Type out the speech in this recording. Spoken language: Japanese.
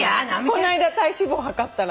こないだ体脂肪はかったら。